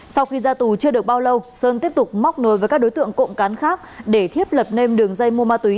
sau khi ra tù chưa được bao lâu sơn tiếp tục móc nối với các đối tượng cộng cán khác để thiếp lập nên đường dây mua ma túy